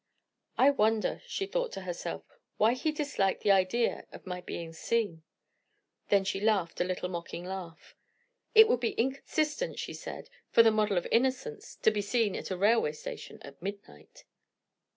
"I wonder," she thought to herself, "why he disliked the idea of my being seen?" Then she laughed a little mocking laugh. "It would be inconsistent," she said, "for the model of 'innocence' to be seen at a railway station at midnight."